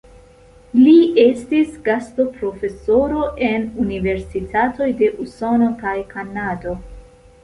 Li estis gastoprofesoro en universitatoj de Usono kaj Kanado.